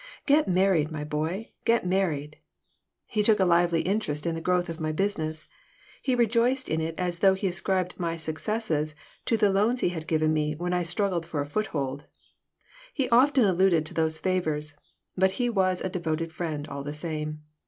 Get married, my boy. Get married." He took a lively interest in the growth of my business. He rejoiced in it as though he ascribed my successes to the loans he had given me when I struggled for a foothold. He often alluded to those favors, but he was a devoted friend, all the same.